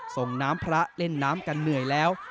ส่งน้ำพระเล่นน้ำกันเหนื่อยแล้ว